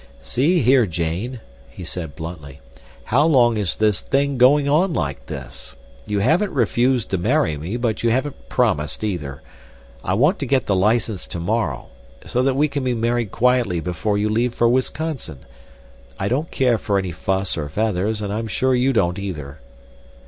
"See here, Jane," he said bluntly. "How long is this thing going on like this? You haven't refused to marry me, but you haven't promised either. I want to get the license tomorrow, so that we can be married quietly before you leave for Wisconsin. I don't care for any fuss or feathers, and I'm sure you don't either."